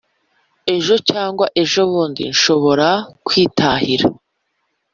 ejo cyangwa ejobundi nshobora kwitahira